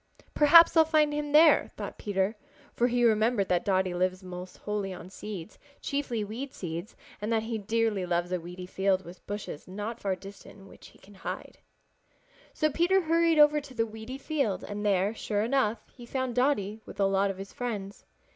"Perhaps I'll find him there," thought Peter, for he remembered that Dotty lives almost wholly on seeds, chiefly weed seeds, and that he dearly loves a weedy field with bushes not far distant in which he can hide. So Peter hurried over to the weedy field and there, sure enough, he found Dotty with a lot of his friends.